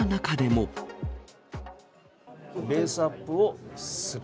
ベースアップをする。